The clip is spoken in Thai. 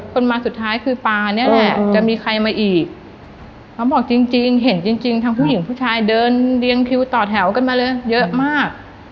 คนมาสุดท้ายคือปาเนี่ยแหละจะมีใครมาอีกเขาบอกจริงจริงเห็นจริงจริงทั้งผู้หญิงผู้ชายเดินเรียงคิวต่อแถวกันมาเลยเยอะมาก